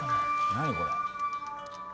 何これ？